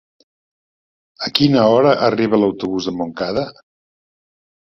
A quina hora arriba l'autobús de Montcada?